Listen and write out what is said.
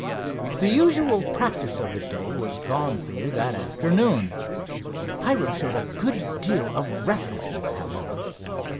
The usual practice of the day was gone through that afternoon. Hiram showed a good deal of restlessness, however.